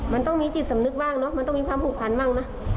มันต้องมีจิตสำนึกบ้างเนอะมันต้องมีความผูกพันบ้างนะ